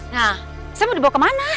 nah saya mau dibawa kemana